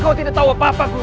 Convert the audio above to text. kau tidak tahu apa apa